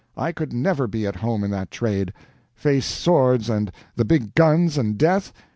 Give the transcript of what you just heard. I could never be at home in that trade. Face swords and the big guns and death?